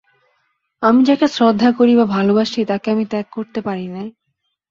আমি যাকে শ্রদ্ধা করি বা ভালোবাসি তাকে আমি ত্যাগ করতে পারি নে।